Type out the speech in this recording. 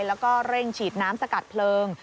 แล้วก็เร่งฉีดน้ำสกัดเพลิง